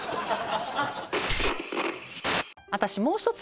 私もう一つ